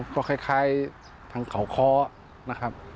ก็คล้ายทางเขาค้อนะครับ